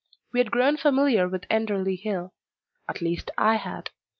We had grown familiar with Enderley Hill at least I had.